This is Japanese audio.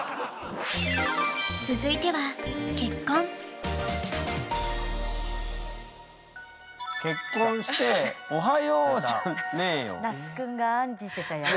続いては結婚して那須くんが案じてたやつ。